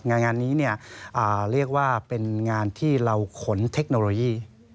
งานนี้เรียกว่าเป็นงานที่เราขนเทคโนโลยี